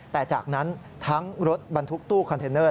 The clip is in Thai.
แต่จากนั้นทั้งรถบรรทุกตู้คอนเทนเนอร์